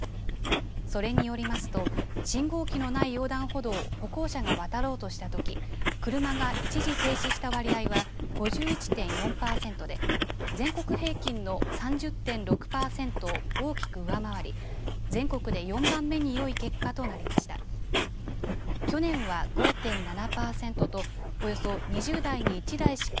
それによりますと信号機のない横断歩道を歩行者が渡ろうとしたとき車が一時停止した割合は５１．４パーセントで全国平均の３０．６パーセントを大きく上回り全国で４番目によい結果となりました。